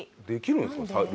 できるんですか？